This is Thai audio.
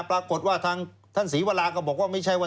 ปรากฏว่าทางท่านศรีวราก็บอกว่าไม่ใช่ว่า